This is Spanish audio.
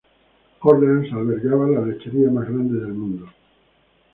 Orleans albergaba la lechería más grande del mundo.